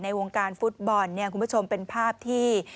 วงการฟุตบอลเนี่ยคุณผู้ชมเป็นภาพที่